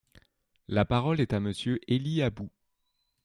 La parole est à Monsieur Élie Aboud.